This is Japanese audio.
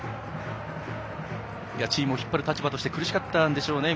チームを引っ張る立場として苦しかったでしょうね。